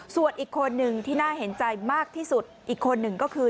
ส่วนอีกคนหนึ่งที่น่าเห็นใจมากที่สุดอีกคนหนึ่งก็คือ